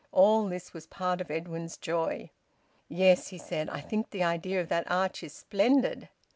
All this was part of Edwin's joy. "Yes," he said, "I think the idea of that arch is splendid."